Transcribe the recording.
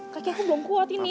kaki aku belum kuat ini